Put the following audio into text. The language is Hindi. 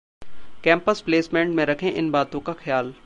कैंपस प्लेसमेंट में रखें इन बातों का ख्याल